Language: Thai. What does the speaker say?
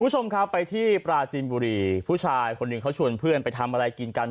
คุณผู้ชมครับไปที่ปราจีนบุรีผู้ชายคนหนึ่งเขาชวนเพื่อนไปทำอะไรกินกัน